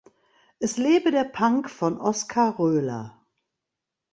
Es lebe der Punk von Oskar Roehler.